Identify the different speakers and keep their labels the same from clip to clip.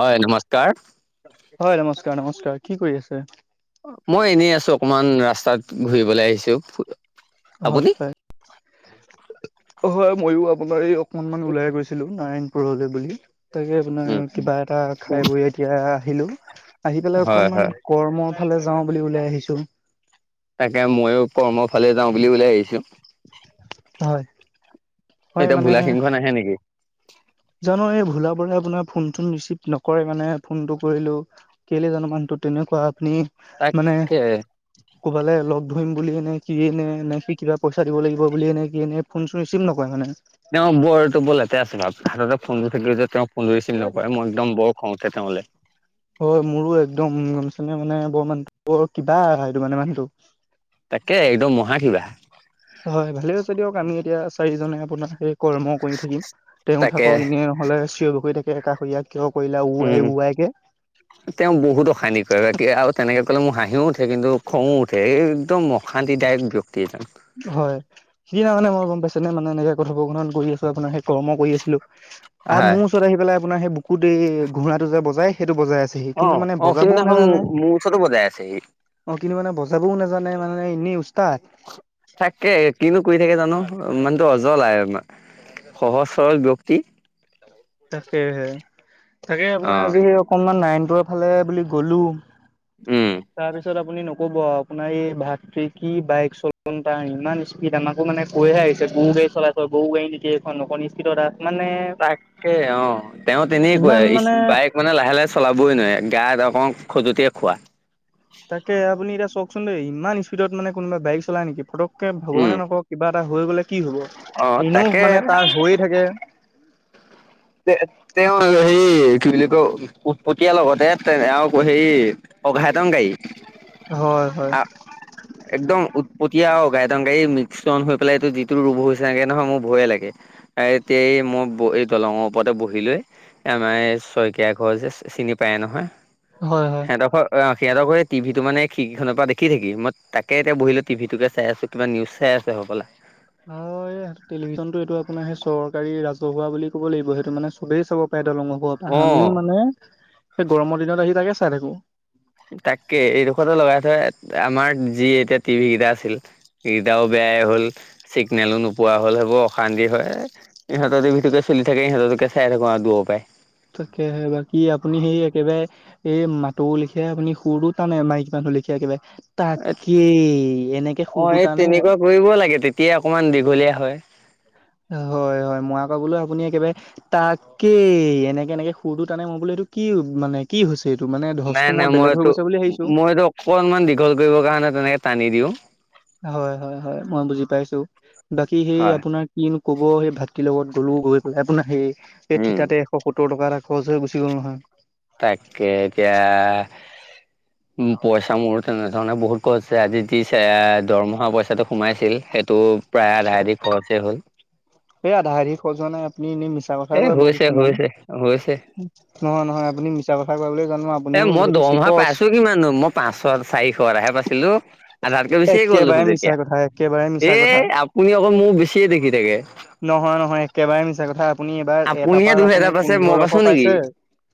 Speaker 1: হয় নমস্কাৰ।
Speaker 2: হয় নমস্কাৰ-নমস্কাৰ কি কৰি আছে।
Speaker 1: মই এনেই আছো, অকমান ৰাস্তাত ঘূৰিবলৈ আহিছো। আপুনি
Speaker 2: হয়-হয়। হয় ময়ো আপোনাৰ এই অকনমান ওলাই গৈছিলো, নাৰায়ণপুৰলৈ বুলি। তাকে আপোনাৰ
Speaker 1: উম
Speaker 2: কিবা এটা খাই বৈ এতিয়া আহিলো, আহি পেলাই
Speaker 1: হয়
Speaker 2: অকনমান
Speaker 1: হয়
Speaker 2: কৰ্ম ফালে যাও বুলি ওলাই আহিছো।
Speaker 1: তাকে ময়ো কৰ্মৰ ফালে যাও বুলি ওলাই আহিছো।
Speaker 2: হয়। হয়
Speaker 1: এতিয়া
Speaker 2: মানে
Speaker 1: ভোলা সিংহ নাহে নেকি?
Speaker 2: জানো এই ভোলা বৰে আপোনাৰ ফোন চোন ৰিচিভ নকৰে, মানে ফোনটো কৰিলেও। কেলে জানো মানুহটো তেনেকুৱা আপুনি মানে
Speaker 1: তাকে
Speaker 2: কবালে লগ ধৰিম বুলিয়ে নে কিয়ে নে, নে সি কিবা পইচা দিব লাগিব বুলি য়ে নে, কি য়ে নে, ফোন চোন ৰিচিভ নকয় মানে।
Speaker 1: তেওঁ বৰ এইটো বৰ লেতেৰা স্বভাৱ, হাততে ফোনটো থাকিলেও যে তেওঁ ফোনটো ৰিচিভ
Speaker 2: মানে
Speaker 1: নকৰে, মই একদম বৰ খঙ ওঠে তেওঁলে।
Speaker 2: হয় মোৰো একদম গম পাইছেনে মানে, ব মানুহটো বৰ কিবা সেইটো মানে মানুহটো।
Speaker 1: তাকে একদম মহা কিবা।
Speaker 2: হয় ভালে হৈছে দিয়ক, আমি এতিয়া চাৰিজনে আপোনাৰ সেই কৰ্ম কৰি থাকিম, তেওঁ
Speaker 1: তাকে
Speaker 2: থাকক এনেয়। হ'লে চিঞৰি বাখৰি থাকে, কাষৰীয়া কিয় কৰিলা
Speaker 1: উম
Speaker 2: ওৱাই ওৱাই কে।
Speaker 1: তেওঁ বহুত অশান্তি কৰে বা কে আও তেনেকে ক'লে মোৰ হাঁহিও উঠে, কিন্তু খং ও উঠে এই একদম অশান্তিদায়ক ব্যক্তি এজন।
Speaker 2: হয়। সিদিনা মানে মই গম পাইছেনে, মানে এনেকে কথোপকথন কৰি আছো আপোনাৰ সেই কৰ্ম কৰি আছিলো। আ
Speaker 1: হয়
Speaker 2: মোৰ ওচৰত আহি পেলাই আপোনাৰ সেই বুকুত এই ঘোঁৰাটো যে বজাই সেইটো বজাই আছেহি,
Speaker 1: অ
Speaker 2: কিন্তু মানে
Speaker 1: অ
Speaker 2: বজাবও
Speaker 1: সিদিনাখন
Speaker 2: নাজানে।
Speaker 1: মোৰ ওচৰতো বজাই আছেহি
Speaker 2: অ কিন্তু মানে বজাবও নাজানে মানে এনেই উচতাদ।
Speaker 1: তাকে কিনো কৰি থাকে জানো, মানুহটো অজল অকমান সহজ সৰল ব্যক্তি।
Speaker 2: তাকেহে, তাকে
Speaker 1: অ
Speaker 2: আপোনাৰ আজি সেই অকনমান নাইনটৰ ফালে বুলি গ'লো।
Speaker 1: উম।
Speaker 2: তাৰপিছত আপুনি নকব আৰু আপোনাৰ এই ভাতৃ কি বাইক চলন তাৰ ইমান স্পি- সি তামাকো মানে কৈহে আহিছে গো গাড়ী চলাইছ, গৰু গড়ী নেকি এইখন অকন স্পিডত আহ, মানে
Speaker 1: তাকে অ, তেওঁ তেনেকুৱা
Speaker 2: ইমান মানে
Speaker 1: স্পী বাইক মানে লাহে লাহে চলাবই নোৱাৰে, গাত অকমান খজুতিয়ে খোৱা।
Speaker 2: তাকে আপুনি এতিয়া চওকচোন দেই ইমান স্পীডত মানে কোনোবা বাইক চাই নেকি, পটকে
Speaker 1: উম
Speaker 2: ভগৱানে নকক কিবা কিবা হৈ গ'লে কি হ'ব,
Speaker 1: অ
Speaker 2: এনেও
Speaker 1: তাকে
Speaker 2: মানে তাৰ হৈয়ে থাকে।
Speaker 1: তে তেওঁ হেই কি বুলি কয়, উটপটিয়া লগতে তেওঁ সেই অঘাইতং গাড়ী।
Speaker 2: হয় হয়।
Speaker 1: একদম উটপটীয়া গাইদং গাই মিক্সন হৈ পেলাই এইটো যিটো ৰুভ হৈছে নেক নহয় মোৰ ভয়ে লাগে। এ এতিয়া এই ম ব এই দলঙপ। ওপতে বহি লৈ আমাৰ এই শইকীয়া ঘৰ যে চিনি পায় নহয়।
Speaker 2: হয় হয়।
Speaker 1: সিহঁতৰ অ সিহঁতৰ টিভিটো মানে খিখিখনৰ পৰা দেখি থাকি মই তাকে এতিয়া বহিলে টিভিটোকে চাই আছোঁ। কিবা নিউজ চাই আছে হ'বলা,
Speaker 2: হয় টেলিভিশন টো এইটো আপোনাৰ সেই চৰকাৰী ৰাজহুৱা বুলি ক'ব লাগিব। সেইটো মানে চবেই চাব পাই দলং ওপৰত,
Speaker 1: অ
Speaker 2: আমিও মানে সেই গৰমৰ দিনত আহি তাকে চাই থাকো।
Speaker 1: তাকে এইডোখৰতো লগাই থোৱা, আমাৰ যি এতিয়া টিভি কেইটা আছিল। সেই কেইটাও বেয়াই হ'ল, চিগনেলো নোপোৱা হ'ল সেইবোৰ অশান্তি হয়। ইহঁতৰ টিভিটোকে চলি থাকে, ইহঁতৰটোকে চাই থাকো আৰু দূৰৰ পৰায়ে।
Speaker 2: তাকেহে বাকী আপুনি সেই একেবাৰে এই মাতৌ লিখিয়া আপুনি সুৰটো টানে, মাইকী মানুহৰ লিখিয়া একেবাৰে। তাকেই এনেকে
Speaker 1: অ
Speaker 2: সুৰটো
Speaker 1: এই
Speaker 2: তানে অ।
Speaker 1: তেনেকুৱা কৰিব লাগে তেতিয়া অকমান দীঘলীয়া হয়।
Speaker 2: হয় হয় মৰা পাবলৈ আপুনি একেবাৰে তাকে এনেকে এনেকে সুৰটো টানে মই বোলো এইটো কি মানে কি হৈছে এইটো মানে ধচটো মই বেলেগ হৈ গৈছে বুলি ভাবিছোঁ।
Speaker 1: অকণমান দীঘল কৰিবৰ কাৰণে তেনেকে টানি দিওঁ।
Speaker 2: হয় হয় হয় মই বুজি পাইছো বাকী সেই
Speaker 1: হয়
Speaker 2: আপোনাৰ কিন ক'ব সেই ভাতটিৰ লগত গ'লো গৈ পেলাই আপোনাৰ সেই এই
Speaker 1: উম
Speaker 2: থিতাতে এশ সত্তৰ টকা এটা সহজ হৈ গুচি গ'ল নহয়।
Speaker 1: তাকে এতিয়া
Speaker 2: [inaudible]
Speaker 1: উম, পইচা মোৰ তেনেধৰণে বহুত কছ যাই আজি দিছে দৰমহা পইচাটো সোমাইছিল সেইটো প্ৰায় আধা- আধি খৰচেই হ'ল।
Speaker 2: এই আধা আধি খৰচ হোৱা নাই আপুনি এনেই মিছ
Speaker 1: এ হৈছে- হৈছে- হৈছে।
Speaker 2: নহয়- নহয় আপুনি মিছা কথা কয় বুলি জানো আপুনিও যিহেতু চিপচ।
Speaker 1: কি মান [unintelligible] পাঁচশন, চাৰিশ এটাহে পাইছিলোঁ আধাতকে বেছিয়ে গ'ল দেখোন
Speaker 2: একেবাৰে মিছা
Speaker 1: তেতিয়া
Speaker 2: কথা একেবাৰে মিছা
Speaker 1: এ
Speaker 2: কথা।
Speaker 1: আ আপুনি অকল মোৰ বেছিয়ে দেখি থাকে।
Speaker 2: নহয়-নহয় একেবাৰে মিছা কথা আপুনি এইবাৰ এটা
Speaker 1: আপুনিহে
Speaker 2: পাৰ
Speaker 1: দুহেজাৰ
Speaker 2: আপুনি
Speaker 1: পাইছে মই
Speaker 2: পোন্ধৰশ
Speaker 1: পাইছো নেকি
Speaker 2: পাইছে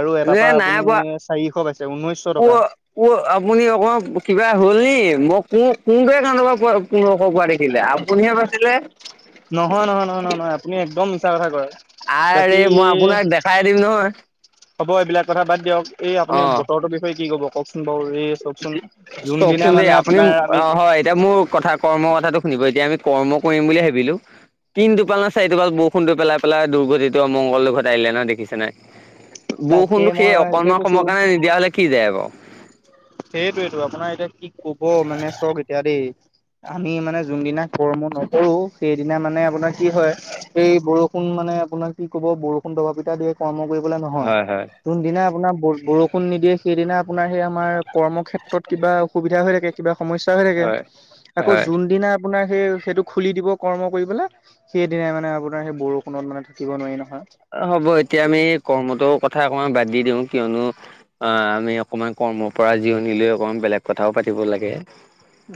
Speaker 2: আৰু
Speaker 1: এ
Speaker 2: এটাৰ পা
Speaker 1: নাই
Speaker 2: আপুনি চাৰিশ পাইছে ঊনৈছ টকা।
Speaker 1: ৱ আপুনি অকণ কিবা হ'ল নি মই কোন- কোন টো একাউন্তৰ পৰা পোন্ধৰশ পোৱা দেখিলে আপুনিহে পাইছিলে।
Speaker 2: নহয়- নহয়-নহয়-নহয়-নহয় আপুনি একদম মিছা কথা কয় বাকী
Speaker 1: আৰে মই আপোনাক দেখাই দিম নহয়।
Speaker 2: হ'ব এইবিলাক কথা বাদ দিয়ক এই আপুনি বতৰৰ বিষয়ে কি ক'ব কওক?
Speaker 1: চওকচোন দেই
Speaker 2: মানে
Speaker 1: আপুনি
Speaker 2: আপোনাৰ আমি
Speaker 1: অ, হয় এতিয়া মোৰ কথাত কৰ্ম কথাটো শুনিব এতিয়া আমি কৰ্ম কৰিম বুলি ভাবিলোঁ তিন টোপাল না চাৰি টোপাল বৰ ষুণ টো পেলাই -পেলাই দুৰ্গতিটো অমংগল লৈ ঘৰত আহিলে নহয় দেখিছে নে?
Speaker 2: তাকে
Speaker 1: বৰষুণটো
Speaker 2: মই
Speaker 1: সেই অকনমান সময়ৰ কাৰণে নিদিয়া হলে কি যায় আক।
Speaker 2: সেইটোৱেটো আপোনাৰ এতিয়া কি কব মানে চওঁক এতিয়া দেই। আমি মানে যোনদিনা কৰ্ম নকৰো সেইদিনা মানে আপোনাৰ কি হয় সেই বৰষুণ মানে আপোনাৰ কি ক'ব বৰষুণ দবা পিতা দিয়ে কৰ্ম কৰিবলে নহয়।
Speaker 1: হয় হয়
Speaker 2: যোনদিনা আপোনাৰ বৰষুণ নিদিয়ে সেইদিনা আপোনাৰ সেই আমাৰ কৰ্মক্ষেত্ৰত কিবা অসুবিধা হৈ থাকে কিবা সমস্যা হৈ থাকে
Speaker 1: হয়
Speaker 2: আকৌ
Speaker 1: হয়
Speaker 2: যোনদিনা আপোনাৰ সেই- সেইটো খুলি দিব কৰ্ম কৰি পেলে সেইদিনাই মানে আপোনাৰ সেই বৰষুণত মানে থাকিব নোৱাৰি নহয়।
Speaker 1: হ'ব এতিয়া আমি কৰ্মতো কথা অকমান বাদ দি দিওঁ কিয়নো অ, আমি অকমান কৰ্মৰ পৰা জিৰণি লৈ অকণমান বেলেগ কথাও পাতিব লাগে।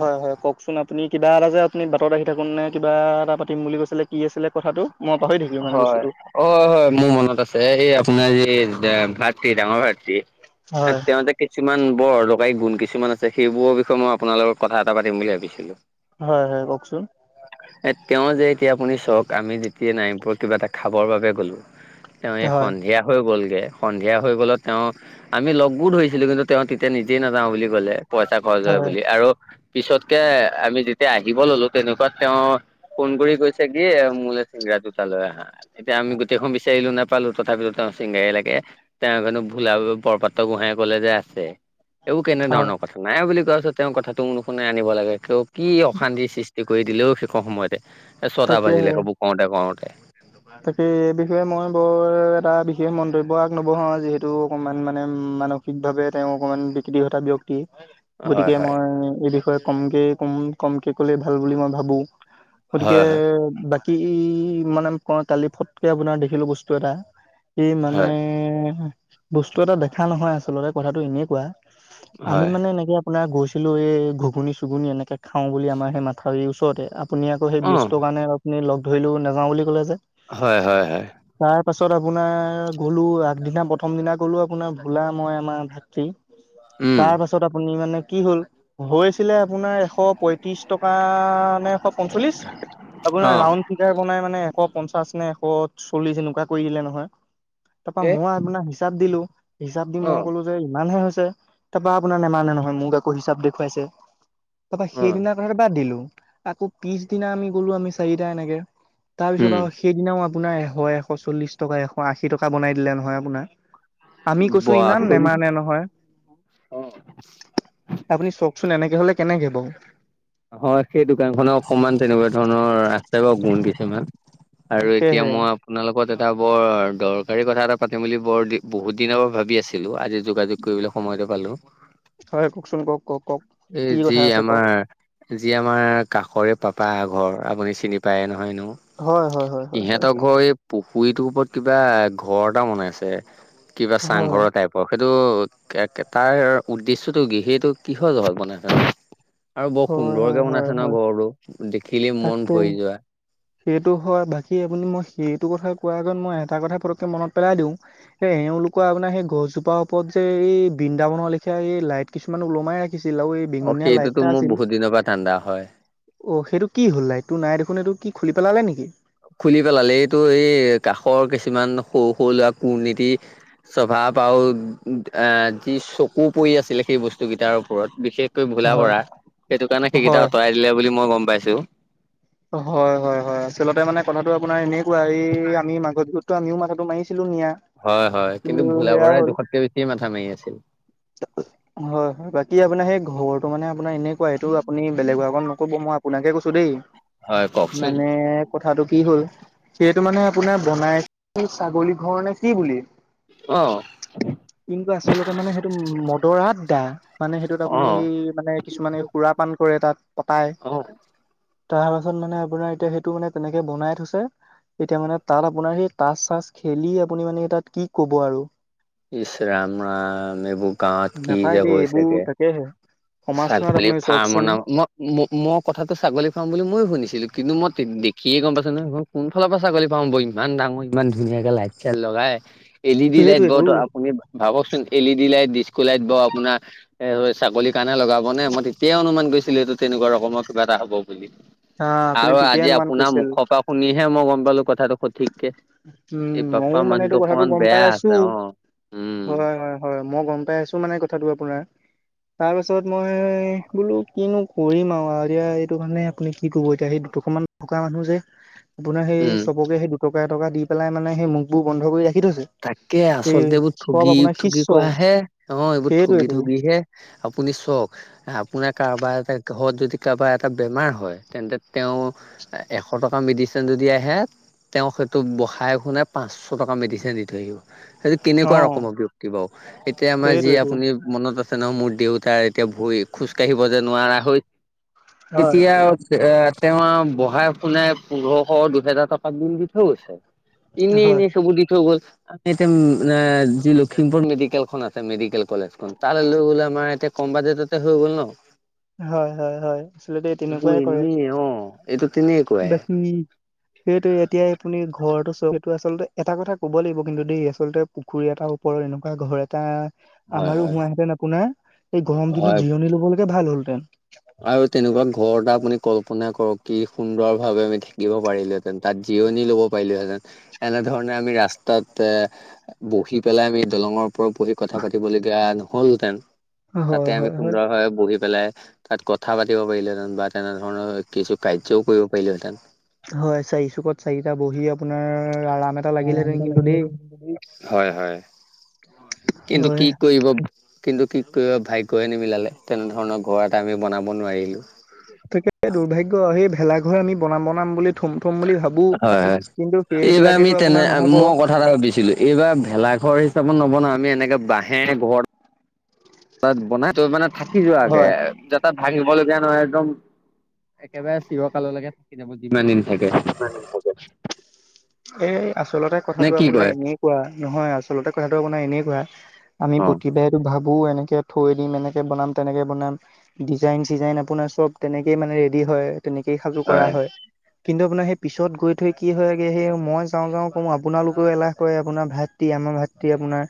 Speaker 2: হয়- হয় কওকচোন আপুনি কিবা এটা যে আপুনি বাটত আহি থাকোন নে কিবা এটা পাতিম বুলি কৈছিলে কি আছিলে কথাটো? মই পাহৰি থাকিলোঁ মানে
Speaker 1: হয়।
Speaker 2: বস্তুটো।
Speaker 1: অ, হয় মোৰ মনত আছে সেই আপোনাৰ সে
Speaker 2: হয়
Speaker 1: [unintelligible] [unintelligible] কিছুমান বৰ অদকাৰী গুণ কিছুমান আছে সেইবোৰৰ বিষয়ে মই আপোনাৰ লগত কথা এটা পাতিম বুলি ভাবিছিলোঁ।
Speaker 2: হয়- হয় কওকচোন?
Speaker 1: এ তেওঁ যে এতিয়া আপুনি চক আমি যেতিয়া নাইম উপৰত কিবা এটা খাবৰ বাবে গ'লোঁ তেওঁ এই
Speaker 2: হয়
Speaker 1: সন্ধিয়া হৈ গ'লগে সন্ধিয়া হৈ গ'লত তেওঁ আমি লগো ধৰিছিলোঁ কিন্তু তেওঁ তেতিয়া নিজেই নাযাওঁ বুলি কলে পইচা খৰচ হয় বুলি আৰু পিছতকে আমি যেতিয়া আহিব ল'লো তেনেকুৱাত তেওঁ ফোন কৰি কৈছে কি মোলে চিংগৰা দুটা লৈ আহা। এতিয়া আমি গোটেইখন বিচাৰিলো নেপালো তথাপিও তেওঁ ছিংগৰাই লাগে। তে নাজানো হেনো ভোলা বৰপাত্ৰ গোহাঁইয়ে কলে যে আছে। এইও
Speaker 2: হয়
Speaker 1: কেনেধৰণৰ কথা নাই বুলি কোৱাপাছত তেওঁৰ কথাটো নুশুনে আনিব লাগে তেওঁ কি অশান্তিৰ সৃষ্টি ষ্ঠি কৰি দিলেও শেষৰ সময়তে এ ছটা বাজিলে সেইবোৰ কওঁতে -কওঁতে।
Speaker 2: [inaudible] তাকেই এই বিষয়ে মই বৰ এটা বিশেষ মন্তব্য আগ নবঢ়াও যিহেতু অকমান মানে মানুহ সঠিকভাৱে তেওঁ অকমান বিকৃতি ঘটা ব্যক্তি
Speaker 1: হয়
Speaker 2: গতিকে
Speaker 1: হয়
Speaker 2: মই এই বিষয়ে কমকে কম কমকে কলেই ভাল বুলি মই ভাবো। গতিকে
Speaker 1: হয় হয়
Speaker 2: বাকী মানে ক কালি ফটকে আপোনাৰ দেখিলো বস্তু এটা। কি মানে
Speaker 1: হয়
Speaker 2: বস্তু এটা দেখা নহয় আচলতে কথাটো এনেকুৱা আমি
Speaker 1: হয়
Speaker 2: মানে এনেকে আপোনাৰ গৈছিলো এই ঘুগুনি-চুগুনি এনেকৈ খাও বুলি আমাৰ সেই মাথাউৰিৰ ওচৰতে আপুনি সেই
Speaker 1: অ',
Speaker 2: ব্যস্তৰ কাৰণে আপুনি লগ ধৰিলো নাযাও বুলি ক'লে যে।
Speaker 1: হয়-হয়-হয়।
Speaker 2: তাৰ পাছত আপোনাৰ গ'লো আগদিনা প্ৰথম দিনা গ'লো আপোনাৰ ভোলা মই আমাৰ থ্ৰী তাৰ পাছত
Speaker 1: উম,
Speaker 2: তাপাছত আপুনি মানে কি হ'ল গৈছিলে আপোনাৰ এশ পইত্ৰিছ টকা নে এশ পঞ্চল্লিছ আপোনাৰ
Speaker 1: অ',
Speaker 2: চিকাৰ বনাই মানে এশ পঞ্চাশ নে এশ চল্লিশ এনেকুৱা কৰি দিলে নহয়। তাপা
Speaker 1: এ
Speaker 2: মই আপোনাক হিচাপ দিলো হিচাপ দি মই
Speaker 1: অ',
Speaker 2: কলো যে ইমান হে হৈছে তাপা আপোনাৰ নেমানে নহয় মোক আকৌ হিচাপ দেখুৱাইছে। তাৰাপা
Speaker 1: অ',
Speaker 2: সেইদিনা ততে বাদ দিলো আকৌ পিছদিনা আমি গলো আমি চাৰিটা এনেকে তাৰপিছত
Speaker 1: উম,
Speaker 2: আৰু সেইদিনাও আপোনাৰ এশ-এশ চল্লিশ টকা, এশ আশী টকা বনাই দিলে নহয় আপোনাৰ। আমি কৈছো
Speaker 1: বৰা
Speaker 2: ইমান
Speaker 1: চৰি
Speaker 2: নেমানে নহয়।
Speaker 1: অ',
Speaker 2: আপুনি চওকচোন এনেকে হলে কেনেকে বাৰু।
Speaker 1: হয় সেই দোকান খনৰ অকণমান তেনেকুৱা ধৰণৰ ৰাস্তাই বাৰু গুণ দিছেমান। আৰু এতিয়া
Speaker 2: তাকেহে
Speaker 1: মই আপোনালোকত এটা বৰ দৰকাৰী কথা এটা পাতিম বুলি বৰ দি বহুত দিনৰ পৰা ভাবি আছিলো আজি যোগাযোগ কৰিবলৈ সময়টো পালো।
Speaker 2: হয় কওকচোন কওক-কওক-কওক?
Speaker 1: এই যি আমাৰ যি আমাৰ কাষৰে পাপা এঘৰ আপুনি চিনি পায় নহয় এনেও।
Speaker 2: হয় হয় হয় হয় হয়
Speaker 1: ইহঁতৰ ঘৰ এই পুখুৰীটোৰ ওপৰত কিবা ঘৰ এটা বনাইছে। কিবা
Speaker 2: হয়
Speaker 1: চাংঘৰৰ টাইপৰ সেইটো তাৰ উদ্দেশ্যটো কি সেইটো কি জল মান আৰু বৰ
Speaker 2: হয় হয়
Speaker 1: সুন্দৰকে
Speaker 2: হয়
Speaker 1: বনাইছে ন
Speaker 2: হয়
Speaker 1: ঘৰটো দেখিলি মন
Speaker 2: তাকে
Speaker 1: ভৰি যোৱা।
Speaker 2: সেইটো হয় বাকী আপুনি মই সেইটো কথা কোৱাৰ আগত মই এটা কথা পতককে মনত পেলাই দিও। এ এওঁলোকৰ আপোনাৰ সেই গছজোপাৰ ওপৰত যে এই বৃন্দাবনৰ লেখিয়া এই লাইট কিছুমানক লমাই ৰাখিছিল আৰু এই বেঙুনীয়া লাইট
Speaker 1: সেইটোতো
Speaker 2: এটা
Speaker 1: মোৰ
Speaker 2: আছিল
Speaker 1: বহুত দিনৰ পৰা তাণ্ডা হয়।
Speaker 2: অ, সেইটো কি হ'ল নাই তোৰ নাই দেখোন এইটো কি খুলি পেলালে নেকি?
Speaker 1: খুলি পেলালে, এইটো এই কাষৰ কিছুমান সৰু-সৰু ল'ৰা কৰ্নীতি। স্বভাৱ আৰু আৰু যি চকু পৰি আছিলে সেই বস্তুকেইটাৰ ওপৰত বিশেষ ভোলা
Speaker 2: হয়।
Speaker 1: বৰা সেইটো কাৰণে সেইকেইটা
Speaker 2: হয়।
Speaker 1: আঁতৰাই দিলে বুলি মই গম পাইছো।
Speaker 2: হয়-হয়-হয় আচলতে মানে কথাটো আপোনাৰ এনেকুৱা এই আমি মাজত গৈছিলো। আমিও মাথাটো মাৰিছিলো নিয়া।
Speaker 1: হয়-হয় কিন্তু ভোলা বৰাই জুখতকে বেছিয়ে মাথা মাৰি আছে।
Speaker 2: [unintelligible] হয়-হয় বাকী আপোনাৰ সেই ঘৰটো মানে আপোনাৰ এনেকুৱা সেইটো আপুনি বেলেগৰ আগত নকব মই আপোনাকে কৈছো দেই।
Speaker 1: হয় কওকচোন
Speaker 2: মানে কথাটো কি হ'ল, যিহেতু মানে আপোনাৰ বনাই ছাগলী ঘৰ নে কি বুলি?
Speaker 1: অ',
Speaker 2: কিন্তু আচলতে মানে সেইটো মদৰ আড্ডা। মানে সেইটোত আপুনি সেই
Speaker 1: অ
Speaker 2: মানে কিছুমানে সুৰা পান কৰে তাত পতাই।
Speaker 1: অ',
Speaker 2: তাৰপাছত মানে আপোনাৰ এতিয়া সেইটো মানে তেনেকে বনাই থৈছে। এতিয়া মানে তাত আপোনাৰ সেই তাচ-চাচ খেলি আপুনি মানে তাত কি ক'ব আৰু।
Speaker 1: ইচ ৰাম-ৰাম এইবোৰ গাঁৱত কি
Speaker 2: নাপায়
Speaker 1: যে
Speaker 2: দেই এইবোৰ
Speaker 1: হৈছেগে।
Speaker 2: তাকেহে
Speaker 1: চাল
Speaker 2: সমাজখনত
Speaker 1: বুলি
Speaker 2: আপুনি
Speaker 1: ফাৰ্ম
Speaker 2: চাওকচোন
Speaker 1: নাম মই ম মই কথাটো ছাগলী ফাৰ্ম বুলি ময়ো শুনিছিলো কিন্তু মই দেখিয়ে গম পাইছো নহয় হে কোনফালৰ পৰা ছাগলী ফ্ৰম হ'ব‌ ইমান ডাঙৰ ইমান ধুনীয়াকে লাইট চাইট লগাই। এল ই ডি লাইট ব
Speaker 2: সেইটোৱেতো
Speaker 1: আপুনি ভাবকচোন L E D light, disk light ব আপোনাৰ এ ছাগলী কাৰণে লগাব নে মই তেতিয়াই অনুমান কৰিছিলো এইটো তেনেকুৱা ৰকমৰ কিবা এটা হ'ব বুলি।
Speaker 2: আহ আপুনি
Speaker 1: আৰু
Speaker 2: ঠিকেই
Speaker 1: আজি
Speaker 2: অনুমান
Speaker 1: আপোনাৰ
Speaker 2: কৰিছিল
Speaker 1: মুখৰ পৰা শুনিহে মই গম পালো কথাটো সঠিককে।
Speaker 2: উম,
Speaker 1: এই পাপা
Speaker 2: ময়ও মানে এইটো
Speaker 1: মানুহটো
Speaker 2: কথাটো
Speaker 1: অকমান
Speaker 2: গম পাই
Speaker 1: বেয়া
Speaker 2: আছো,
Speaker 1: আছে অ উম
Speaker 2: হয় হয়। হয়, মই গম পাই আছো মানে কথাটো আপোনাৰ। তাৰপিছত মই বোলো কিনো কৰিম আও আৰিয়া এতিয়া এইটো কাৰণে আপুনি কি ক'ব এতিয়া সেই দুটকা মান। থকা মানুহ যে। আপোনাৰ সেই
Speaker 1: উম
Speaker 2: চবকে সেই দুটকা এটকা দি পেলাই মানে সেই মুখ বোৰ বন্ধ কৰি ৰাখি থৈছে।
Speaker 1: তাকে
Speaker 2: এই
Speaker 1: আচলতে এইবোৰ
Speaker 2: চব
Speaker 1: ঠগি,
Speaker 2: আপোনাৰ
Speaker 1: ঠগি
Speaker 2: শিষ্য
Speaker 1: কৰা হে অ' এইবোৰ ঠগি
Speaker 2: সেইটোৱেটো
Speaker 1: ঠগিহে। আপুনি চওক। আপোনাৰ কাৰোবাৰ এটা ঘৰত যদি কাৰোবাৰ এটা বেমাৰ হয় তেন্তে তেওঁ। এশ টকা মেডিচিন যদি আহে তেওঁক সেইটো বহাই শুনোই পাঁচশ টকা মেডিচিন দি। সেইটো
Speaker 2: অ
Speaker 1: কেনেকুৱা ৰকমৰ ব্যক্তি বাও এতিয়া আমাৰ যি
Speaker 2: সেইটোৱেটো
Speaker 1: আপুনি। মনত আছে নহয়, মোৰ দেউতাৰ এতিয়া ভৰি খোজ কাঢ়িব যে নোৱাৰা হৈ।
Speaker 2: হয়
Speaker 1: এতিয়া। এ, তেওঁ বহাই শুনোই পোন্ধৰশ দুহেজাৰ টকাত বিল দি থৈ গৈছে। ইনে
Speaker 2: হয়
Speaker 1: ইনে সেইবোৰ দি থৈ গ 'ল আমি এতিয়া, যি লখিমপুৰ মেডিকেল খন আছে মেডিকেল কলেজ খন তালে লৈ গলে আমাৰ এতিয়া। কম বাজেটতে হৈ গ'ল ন।
Speaker 2: হয় হয় হয়, আচলতে তেনেকুৱাই কৰে।
Speaker 1: এ অ' এইটো তেনে।
Speaker 2: বাকী। সেইটো এতিয়াই আপুনি ঘৰটো চাওক এইটো আচলতে এটা কথা কব লাগিব কিন্তু দেই আচলতে। পুখুৰী এটাৰ ওপৰত এনেকুৱা ঘৰ এটা।
Speaker 1: হয়
Speaker 2: আমাৰো
Speaker 1: হয়
Speaker 2: হোৱাহেঁতেন আপোনাৰ এই গৰম
Speaker 1: হয়
Speaker 2: দিনত জিৰণি ল'বলৈকে ভাল হলহেতেন।
Speaker 1: আৰু তেনেকুৱা ঘৰ এটা আপুনি কল্পনা কৰক কি সুন্দৰ ভাৱে আমি থাকিব পাৰিলে। তাত জিৰণি ল'ব পাৰিলোহেঁতেন। এনেধৰণে আমি ৰাস্তাত এ, বহি পেলাই আমি দলঙৰ ওপৰত বহি কথা পাতিবলগীয়া নহ'ল হেতেন
Speaker 2: হয়
Speaker 1: তাতে আমি
Speaker 2: হয় হয়
Speaker 1: সুন্দৰভাৱে বহি পেলাই তাত কথা পাতি পাৰিলেহেতেন বা তেনে ধৰণৰ কিছো কাৰ্যও কৰিব পাৰিলো হেতেন
Speaker 2: হয় চাৰি চুকত চাৰিটা বহি আপোনাৰ আৰাম এ
Speaker 1: আৰাম এটা লাগিলে হয় হয় কিন্তু
Speaker 2: হয়
Speaker 1: কি কৰিব। কিন্তু কি কৰিব ভাগ্যয়ে নিমিলালে তেনেধৰণৰ ঘৰ এটা আমি বনাব নোৱাৰিলোঁ'
Speaker 2: তাকে দুৰ্ভাগ্য সেই ভেলাঘৰ আমি বনাম বনাম বুলি। থমথম বুলি ভাবো,
Speaker 1: হয় হয়
Speaker 2: কিন্তু
Speaker 1: এইবাৰ আমি
Speaker 2: সেইবিলাকেটো
Speaker 1: তেনে
Speaker 2: আপোনাৰ নহ'ব।
Speaker 1: মই কথা ভাবিছিলো এইবাৰ ভেলাঘৰ হিচাপত নবনাও, আমি এনেকে বাঁহে ঘৰ তাত বনাই তই মানে থাকি যোৱাগে।
Speaker 2: হয়
Speaker 1: তাত ভাঙিব লগগীয়া নহয় একদম একেবাৰে চিৰকাললৈকে থাকি যাব যিমানদিন।
Speaker 2: যিমানদিন থাকে এই আচলতে।
Speaker 1: নে
Speaker 2: কথাটো
Speaker 1: কি
Speaker 2: আপোনাৰ
Speaker 1: কয়
Speaker 2: এনে কোৱা নহয় আচলতে কথাটো আপোনাৰ এনে কোৱা আমি
Speaker 1: অ
Speaker 2: প্ৰতিভেত ভাবো এনেকে থৈ দিম এনেকে বনাম তেনেকে বনাম ডিজাইন চিজাইন আপোনাৰ চব তেনেকেই মানে ৰেডি হয় তেনেকেই সাজু কৰা হয় কিন্তু আপোনাৰ সেই পিছত গৈ থৈ কি হয়গে সেই মই যাওঁ যাওঁ কওঁ আপোনালোকেও এলাহ কৰে আপোনাৰ ভাই টি আমাৰ ভাতৃ আপোনাৰ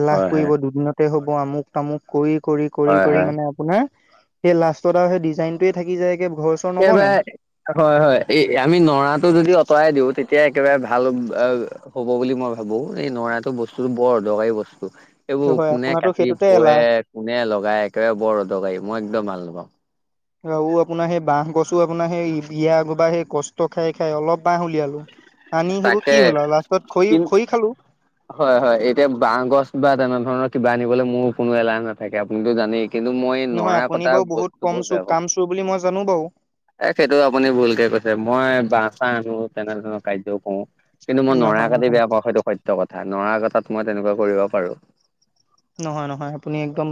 Speaker 2: এলাহ
Speaker 1: হয় হয়
Speaker 2: কৰিব দুদিনতে হব আমুক তামুক কৰি কৰি কৰি
Speaker 1: হয়
Speaker 2: কৰি
Speaker 1: হয়
Speaker 2: মানে আপোনাৰ সেই লাষ্টত আৰু সেই ডিজাইনটোৱে থাকি যায় গে ঘৰ চৰ নবনাই
Speaker 1: এইবাৰে হয় হয় এই আমি নৰাটো যদি আঁতৰাই দিওঁ তেতিয়া একেবাৰে ভাল হ'ব বুলি মই ভাবো এই নৰাটো বস্তুটো বৰ অদৰকাৰী বস্তু। এইবোৰ
Speaker 2: হয়
Speaker 1: কোনে
Speaker 2: আপোনাতো
Speaker 1: কাটি
Speaker 2: সেইটোতে
Speaker 1: পৰে
Speaker 2: এলাহ
Speaker 1: কোনে লগাই একোৰে বৰ অদৰকাৰী মই একদম ভাল নাপাওঁ।
Speaker 2: আও আপোনাৰ সেই বাহ গছো আপোনাৰ সেই ইবিয়া ঘ সেই কষ্ট খাই খাই অলপ বাহ উলিয়ালো। আনি সেইবোৰ
Speaker 1: তাকে
Speaker 2: কি হ'ল আৰু লাষ্টত
Speaker 1: কি
Speaker 2: খই খই খালোঁ।
Speaker 1: হয় হয় এতিয়া বাহ গছ বা তেনে ধৰণৰ কিবা আনিবলৈ মোৰ কোনো এলাহ নাথাকে আপুনিতো জানেই। কিন্তু মই
Speaker 2: নহয়
Speaker 1: নৰা
Speaker 2: আপুনি
Speaker 1: কটা
Speaker 2: বাৰু
Speaker 1: বস্তুটো
Speaker 2: কম
Speaker 1: বহুত
Speaker 2: চোৰ
Speaker 1: বেয়া পাওঁ।
Speaker 2: কাম চোৰ বুলি মই জানো বাৰু
Speaker 1: এ সেইটো আপুনি ভুলকে কৈছে মই বা চা আনো তেনেধৰণৰ কাৰ্য কও। কিন্তু মই নৰা
Speaker 2: নহয়
Speaker 1: কাটি
Speaker 2: নহয়
Speaker 1: বেয়া পাওঁ সেইটো সত্য কথা নৰা কটাত মই তেনেকুৱা কৰিব পাৰোঁ।
Speaker 2: নহয় নহয় আপুনি একদম